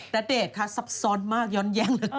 ณเดชน์คะซับซ้อนมากย้อนแย่งเลย